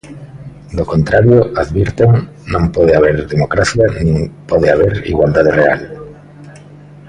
Do contrario, advirten, "non pode haber democracia nin pode haber igualdade real".